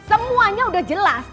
semuanya udah jelas